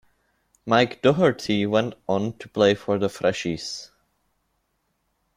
Mike Doherty went on to play for The Freshies.